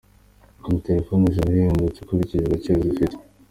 Izi terefone zirahendutse ukurikije agaciro zifite.